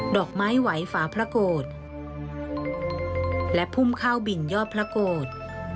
อกไม้ไหวฝาพระโกรธและพุ่มข้าวบินยอดพระโกรธ